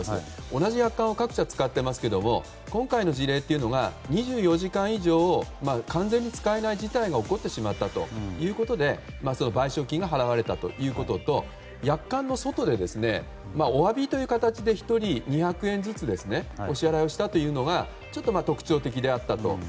同じものを各社使っていますけれども２４時間以上完全に使えない事態が起こってしまったということで賠償金が払われたということと約款の外でお詫びという形で１人２００円ずつお支払いしたというのが特徴的であったと。